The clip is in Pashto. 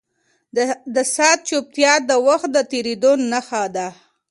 د ساعت چوپتیا د وخت د درېدو نښه وه.